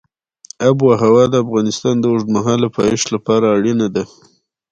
آب وهوا د افغانستان د اوږدمهاله پایښت لپاره اړینه ده.